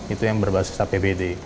itu yang berbasis apbd